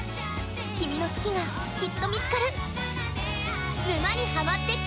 君の好きが、きっと見つかる。